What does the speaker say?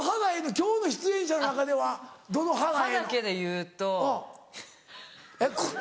今日の出演者の中ではどの歯がええの？